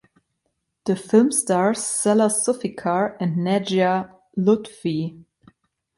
The film stars Salah Zulfikar and Nadia Lutfi.